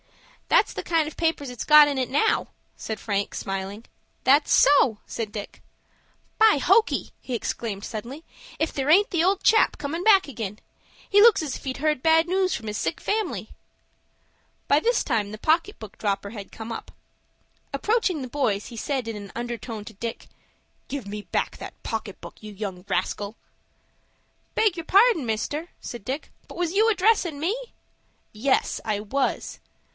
"That's the kind of papers it's got in it now," said Frank, smiling. "That's so!" said Dick. "By hokey!" he exclaimed suddenly, "if there aint the old chap comin' back ag'in. He looks as if he'd heard bad news from his sick family." By this time the pocket book dropper had come up. Approaching the boys, he said in an undertone to Dick, "Give me back that pocket book, you young rascal!" "Beg your pardon, mister," said Dick, "but was you addressin' me?" "Yes, I was."